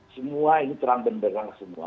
semua ini terang benderang semua